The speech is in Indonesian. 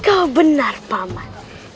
kau benar pak man